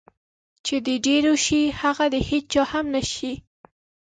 چې د ډېرو شي هغه د هېچا هم نشي.